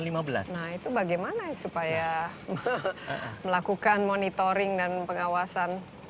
nah itu bagaimana supaya melakukan monitoring dan pengawasan